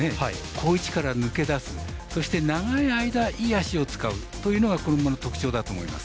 好位置から抜け出すそして、長い間いい脚を使うというのがこの馬の特徴だと思います。